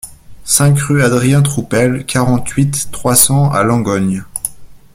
cinq rue Adrien Troupel, quarante-huit, trois cents à Langogne